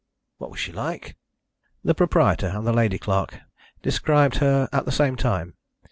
"What was she like?" The proprietor and the lady clerk described her at the same time.